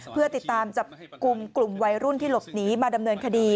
เพื่อติดตามจับกลุ่มกลุ่มวัยรุ่นที่หลบหนีมาดำเนินคดี